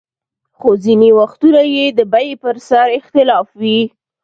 خو ځینې وختونه یې د بیې پر سر اختلاف وي.